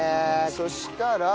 そしたら。